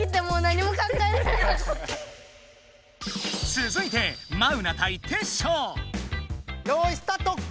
続いてよいスタート！